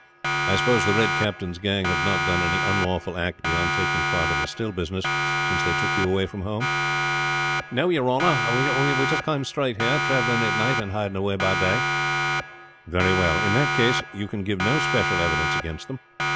I suppose the Red Captain's gang have not done any unlawful act beyond taking part in the still business since they took you away from home?" "No, your honor. We just came straight down here, traveling at night and hiding away by day." "Very well. In that case you can give no special evidence against them.